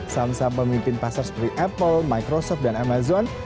saham saham pemimpin pasar seperti apple microsoft dan amazon